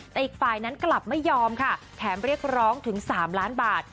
แต่อีกฝ่ายนั้นกลับไม่ยอมค่ะแถมเรียกร้องถึง๓ล้านบาท